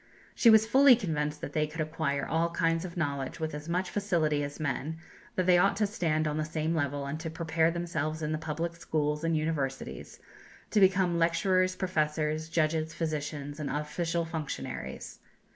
She was fully convinced that they could acquire all kinds of knowledge with as much facility as men; that they ought to stand on the same level, and to prepare themselves in the public schools and universities, to become lecturers, professors, judges, physicians, and official functionaries.